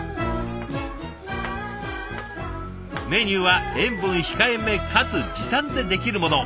メニューは塩分控えめかつ時短でできるものを。